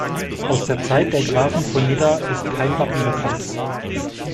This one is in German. Aus der Zeit der Grafen von Nidda ist kein Wappen bekannt.